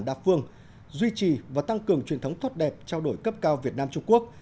đa phương duy trì và tăng cường truyền thống tốt đẹp trao đổi cấp cao việt nam trung quốc